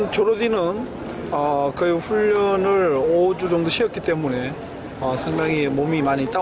sinteyong berlatih selama lima minggu jadi dia sudah sangat rendah